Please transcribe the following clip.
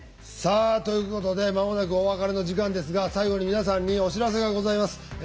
さあということで間もなくお別れの時間ですが最後に皆さんにお知らせがございます。